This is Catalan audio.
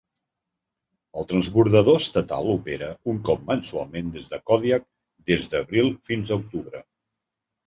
El transbordador estatal opera un cop mensualment des de Kodiak des d'abril fins a octubre.